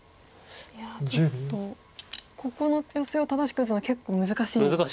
いやちょっとここのヨセを正しく打つのは結構難しいですか。